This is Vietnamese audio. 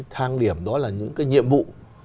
thang điểm đó là những cái nhiệm vụ